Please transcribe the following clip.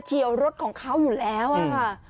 สุดยอดดีแล้วล่ะ